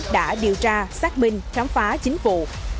đã điều tra xác minh khám phá chính phủ